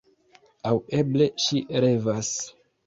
Aŭ eble ŝi revas.